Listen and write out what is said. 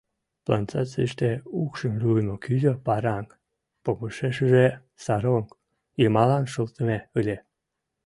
Плантацийыште укшым руымо кӱзӧ — паранг — помышешыже, саронг йымалан шылтыме ыле.